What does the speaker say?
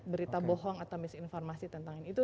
berita bohong atau misinformasi tentang ini